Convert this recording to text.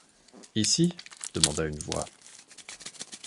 Ici ? demanda une voix.